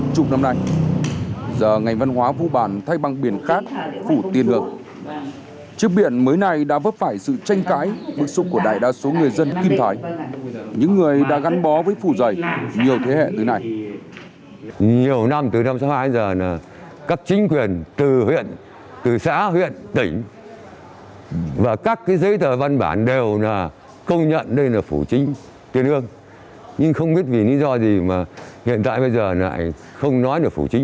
công nhận đây là phủ chính tiên ương nhưng không biết vì lý do gì mà hiện tại bây giờ lại không nói là phủ chính